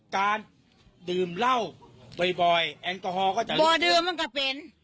การดื่มเหล้าบ่อยบ่อยแอลกอฮอล์ก็จะบ่อดื่มมันก็เป็น